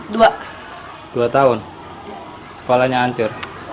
dua tahun sekolahnya hancur